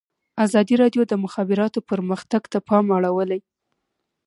ازادي راډیو د د مخابراتو پرمختګ ته پام اړولی.